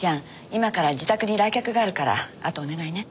今から自宅に来客があるからあとお願いね。